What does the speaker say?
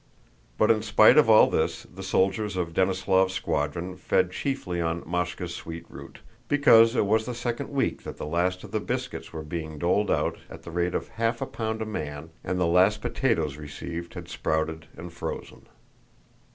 But in spite of all this, the soldiers of Denísov's squadron fed chiefly on "Máshka's sweet root," because it was the second week that the last of the biscuits were being doled out at the rate of half a pound a man and the last potatoes received had sprouted and frozen.